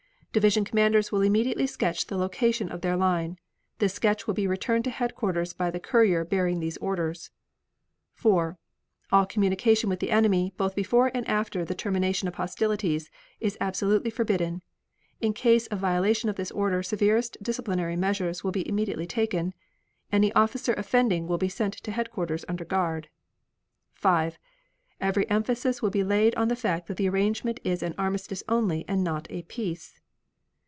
Division commanders will immediately sketch the location of their line. This sketch will be returned to headquarters by the courier bearing these orders. 4. All communication with the enemy, both before and after the termination of hostilities, is absolutely forbidden. In case of violation of this order severest disciplinary measures will be immediately taken. Any officer offending will be sent to headquarters under guard. 5. Every emphasis will be laid on the fact that the arrangement is an armistice only and not a peace.